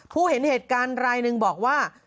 ผู้เห็นเหตุการณ์ลายนึงบอกว่า